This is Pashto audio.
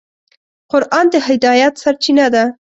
قرآن د هدایت سرچینه ده.